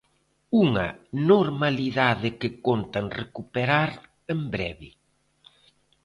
Unha normalidade que contan recuperar en breve.